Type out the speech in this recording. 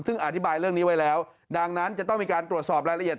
ซึ่งอธิบายเรื่องนี้ไว้แล้วดังนั้นจะต้องมีการตรวจสอบรายละเอียด